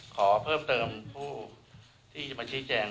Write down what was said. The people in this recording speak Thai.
ขอเพิ่มเติมผู้ที่จะมาชี้แจง